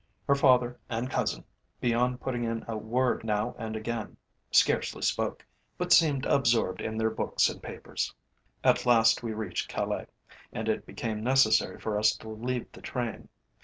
Her father and cousin, beyond putting in a word now and again, scarcely spoke, but seemed absorbed in their books and papers. At last we reached Calais, and it became necessary for us to leave the train.